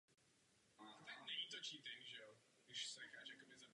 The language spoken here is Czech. Patří mezi zakladatele sionistické organizace "Bnej Cijon".